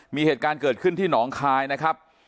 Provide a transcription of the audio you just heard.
มีเหตุการณ์เกิดขึ้นที่หนองคายนะครับ